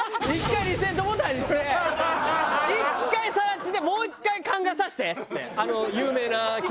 １回リセットボタンして１回更地でもう１回考えさせてっつって有名な建築家に。